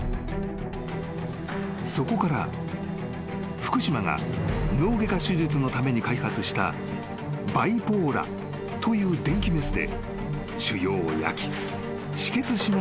［そこから福島が脳外科手術のために開発したバイポーラという電気メスで］